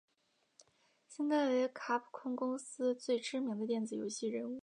现在为卡普空公司最知名的电子游戏人物。